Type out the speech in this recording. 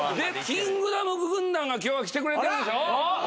キングダム軍団が今日は来てくれてるんでしょ？